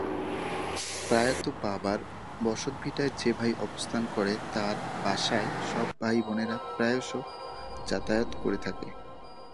প্রয়াত বাবার বসতভিটায় যে ভাই অবস্থান করে তার বাসায় সব ভাই বোনেরা প্রায়শ যাতায়াত করে থাকে।